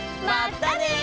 まったね！